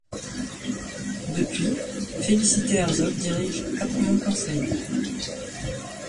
Depuis, Félicité Herzog dirige Apremont Conseil.